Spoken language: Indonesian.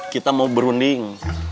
kita mau berunding